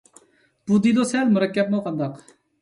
بۇ دېلو سەل مۇرەككەپمۇ قانداق؟